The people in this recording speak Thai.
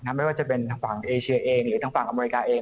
ไม่ว่าจะเป็นทางฝั่งเอเชียเองหรือทางฝั่งอเมริกาเอง